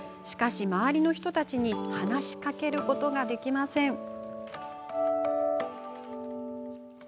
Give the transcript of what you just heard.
しかし、周りの人たちに話しかけることができません。